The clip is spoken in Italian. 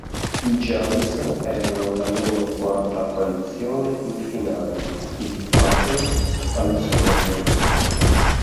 I Giants erano alla loro quarta apparizione in finale, i Packers alla seconda.